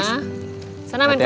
sena main kembang api dulu